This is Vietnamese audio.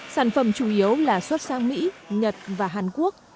sản phẩm chủ yếu là xuất sang mỹ nhật và hàn quốc